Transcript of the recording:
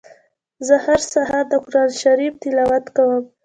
زه هر سهار د قرآن شريف تلاوت کوم.